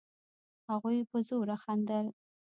هغوی په زوره خندل.